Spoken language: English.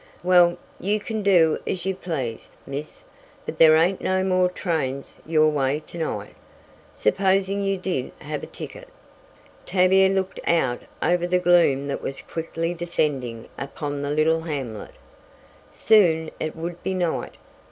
"Well, you kin do as you please, miss, but there ain't no more trains your way to night, supposin' you did have a ticket." Tavia looked out over the gloom that was quickly descending upon the little hamlet. Soon it would be night!